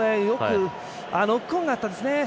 ノックオンがあったんですね。